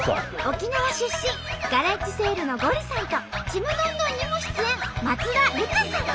沖縄出身ガレッジセールのゴリさんと「ちむどんどん」にも出演松田るかさん。